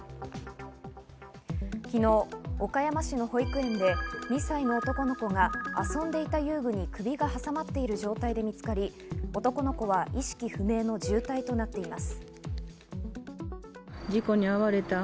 昨日、岡山市の保育園で２歳の男の子が遊んでいた遊具に首が挟まっている状態で見つかり、男の子は意識不明の重体となっています。